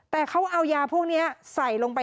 แต่เขาเอายาพวกนี้ใส่ลงไป